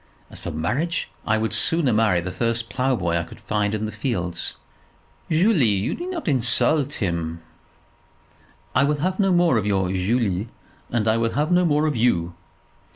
As for marriage, I would sooner marry the first ploughboy I could find in the fields." "Julie, you need not insult him." "I will have no more of your Julie; and I will have no more of you."